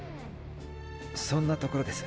そんなところです。